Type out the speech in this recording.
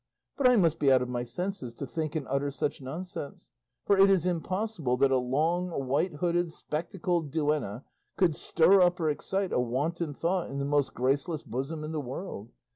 But I must be out of my senses to think and utter such nonsense; for it is impossible that a long, white hooded spectacled duenna could stir up or excite a wanton thought in the most graceless bosom in the world.